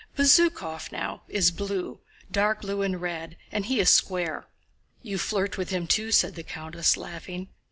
Bezúkhov, now, is blue, dark blue and red, and he is square." "You flirt with him too," said the countess, laughing.